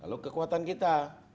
lalu kekuatan kita